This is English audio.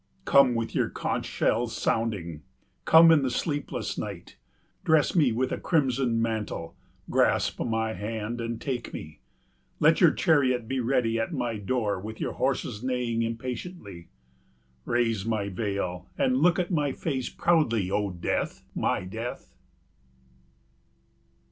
Come with your conch shells sounding, come in the sleepless night. Dress me with a crimson mantle, grasp my hand and take me. Let your chariot be ready at my door with your horses neighing impatiently. Raise my veil and look at my face proudly, O Death, my Death!